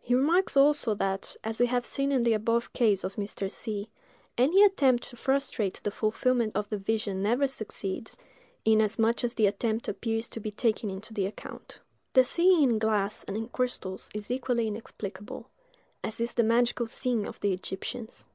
He remarks, also, that, as we have seen in the above case of Mr. C——, any attempt to frustrate the fulfilment of the vision never succeeds, inasmuch as the attempt appears to be taken into the account. The seeing in glass and in crystals is equally inexplicable; as is the magical seeing of the Egyptians.